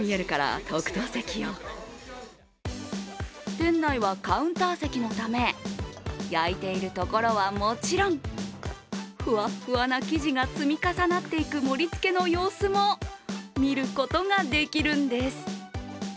店内はカウンター席のため焼いているところはもちろんふわっふわな生地が積み重なっていく盛りつけの様子も見ることができるんです。